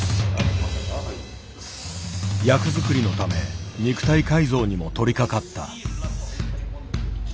役作りのため肉体改造にも取りかかった。